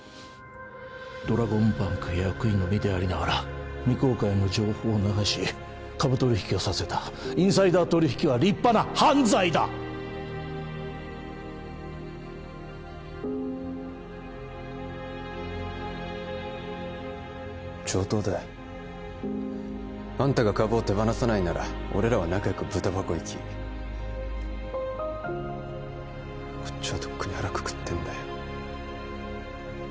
ドラゴンバンク役員の身でありながら未公開の情報を流し株取引をさせたインサイダー取引は立派な犯罪だ上等だよあんたが株を手放さないなら俺らは仲良くブタ箱行きこっちはとっくに腹くくってんだよ